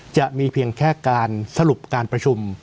จะมีเพียงแค่การสรุปการประชุม